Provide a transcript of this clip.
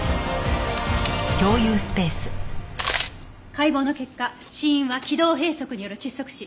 解剖の結果死因は気道閉塞による窒息死。